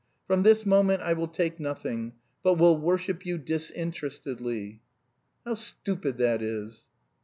From this moment I will take nothing, but will worship you disinterestedly." "How stupid that is!"